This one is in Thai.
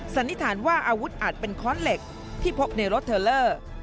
สันนิษฐานว่าอาวุธอาจเป็นค้อนเหล็กที่พบในรถเทลเลอร์